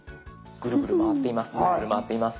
ぐるぐる回っています。